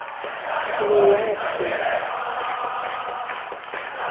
Ni uwacu